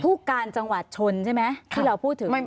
ผู้การจังหวัดชนใช่ไหมที่เราพูดถึง